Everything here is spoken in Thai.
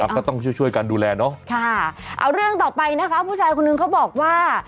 ก็ต้องช่วยช่วยกันดูแลเนอะค่ะเอาเรื่องต่อไปนะคะผู้ชายคนนึงเขาบอกว่า